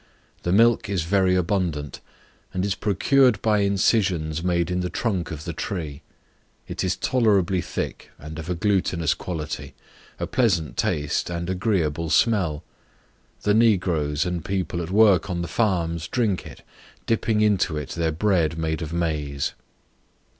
The milk is very abundant, and is procured by incisions made in the trunk of the tree; it is tolerably thick, and of a glutinous quality, a pleasant taste, and agreeable smell. The negroes and people at work on the farms drink it, dipping into it their bread made of maize.